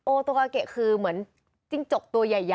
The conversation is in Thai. โตกาเกะคือเหมือนจิ้งจกตัวใหญ่